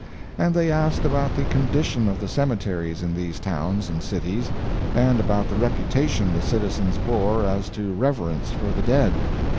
And they asked about the condition of the cemeteries in these towns and cities, and about the reputation the citizens bore as to reverence for the dead.